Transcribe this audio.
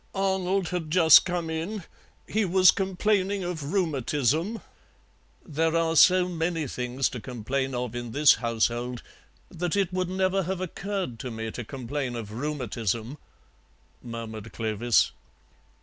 "Arnold had just come in; he was complaining of rheumatism " "There are so many things to complain of in this household that it would never have occurred to me to complain of rheumatism," murmured Clovis.